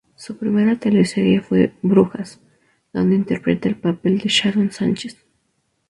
Su primera teleserie fue "Brujas", donde interpreta el papel de Sharon Sánchez.